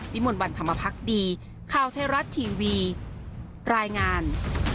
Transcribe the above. วิมวลวันธรรมพักษ์ดีข้าวเทศรัทย์ทีวีรายงาน